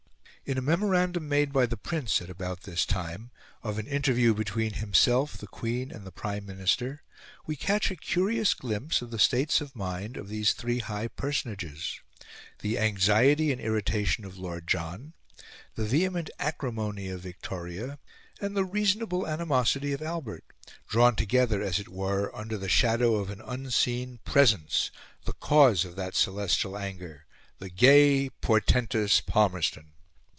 In a memorandum made by the Prince, at about this time, of an interview between himself, the Queen, and the Prime Minister, we catch a curious glimpse of the states of mind of those three high personages the anxiety and irritation of Lord John, the vehement acrimony of Victoria, and the reasonable animosity of Albert drawn together, as it were, under the shadow of an unseen Presence, the cause of that celestial anger the gay, portentous Palmerston.